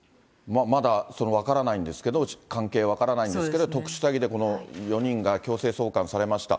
まだ分からないんですけれども、関係は分からないんですけど、特殊詐欺でこの４人が強制送還されました。